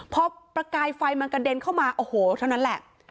พอประกายไฟมันกระเด็นเข้ามาโอ้โหเท่านั้นแหละ